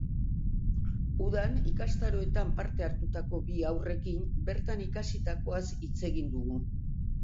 Udan, ikastaroetan parte hartutako bi haurrekin bertan ikasitakoaz hitz egin dugu.